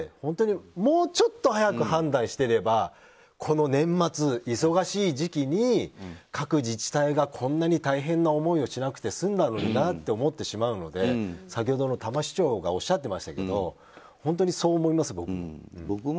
もうちょっと早く判断していれば、この年末忙しい時期に各自治体がこんなに大変な思いをしなくて済んだのになと思ってしまうので先ほどの多摩市長がおっしゃっていましたけど本当にそう思います、僕も。